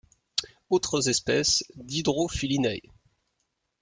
Autres espèces d'Hydrophilinae.